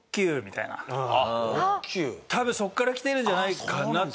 多分そこからきてるんじゃないかなと。